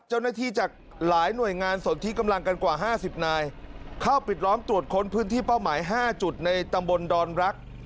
เจ้าหน้าที่จากหลายหน่วยงานสนที่กำลังกันกว่า๕๐นายเข้าปิดล้อมตรวจค้นพื้นที่เป้าหมาย๕จุดในตำบลดอนรัก